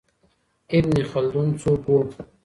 ابن خلدون څوک و؟